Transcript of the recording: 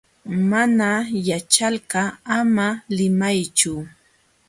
Mana yaćhalqa ama limaychu.